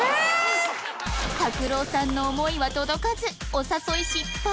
拓郎さんの思いは届かずお誘い失敗